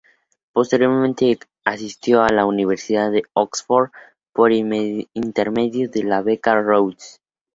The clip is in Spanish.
Posteriormente asistió a la Universidad de Oxford por intermedio de una Beca Rhodes.